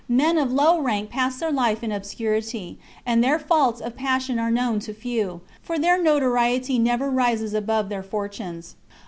Men of low rank pass their life in obscurity, and their faults of passion are known to few, for their notoriety never rises above their fortunes.